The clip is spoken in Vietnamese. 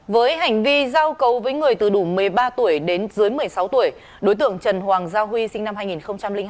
với hành vi giao cầu với người từ đủ một mươi ba tuổi đến dưới một mươi sáu tuổi đối tượng trần hoàng giao huy sinh năm hai nghìn hai